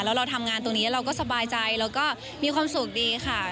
แล้วเราทำงานตรงนี้เราก็สบายใจแล้วก็มีความสุขดีค่ะ